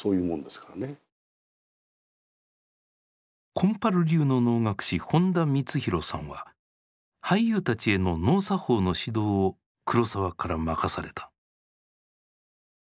金春流の能楽師本田光洋さんは俳優たちへの能作法の指導を黒澤から任された。